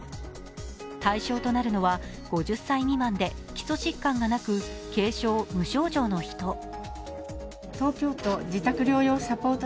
対象となるのは、５０歳未満で基礎疾患がなく、軽症、無症状の人。